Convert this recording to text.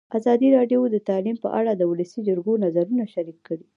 ازادي راډیو د تعلیم په اړه د ولسي جرګې نظرونه شریک کړي.